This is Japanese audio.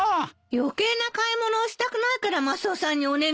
余計な買い物をしたくないからマスオさんにお願いしたのに。